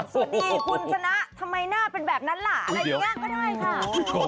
สวัสดีคุณชนะทำไมหน้าเป็นแบบนั้นล่ะอะไรอย่างนี้ก็ได้ค่ะ